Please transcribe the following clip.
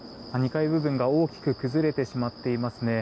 ２階部分が大きく崩れてしまっていますね。